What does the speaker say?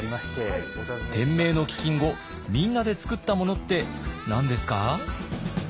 天明の飢饉後みんなでつくったものって何ですか？